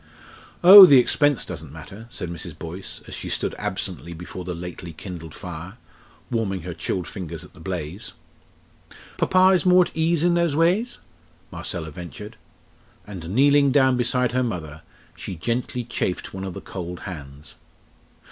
"Oh! the expense doesn't matter!" said Mrs. Boyce, as she stood absently before the lately kindled fire, warming her chilled fingers at the blaze. "Papa is more at ease in those ways?" Marcella ventured. And kneeling down beside her mother she gently chafed one of the cold hands.